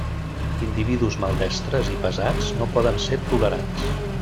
Individus maldestres i pesats no poden ser tolerats.